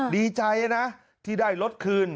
ดีใจนะที่ได้รถคืน